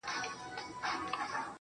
گنې د کفر په نامه ماته مُلا وايي